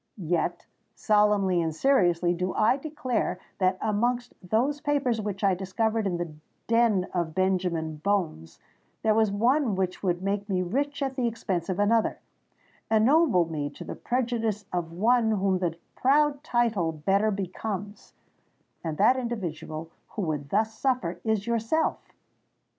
Yet—solemnly and seriously do I declare that, amongst those papers which I discovered in the den of Benjamin Bones, there was one which would make me rich at the expense of another—ennoble me to the prejudice of one whom the proud title better becomes,—and that individual who would thus suffer is yourself!